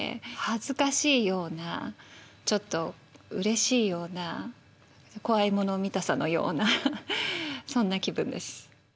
恥ずかしいようなちょっとうれしいような怖いもの見たさのようなそんな気分です。